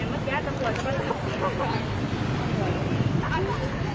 อืมชิคกี้พายเต็มข้าง